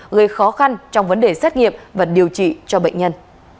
gây khó khăn trong vấn đề xét nghiệm và điều trị cho bệnh nhân